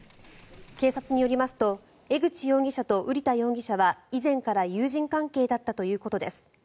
警察によりますと江口容疑者と瓜田容疑者は以前から友人関係だったということです。